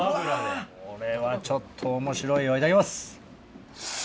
これはちょっと面白いよいただきます。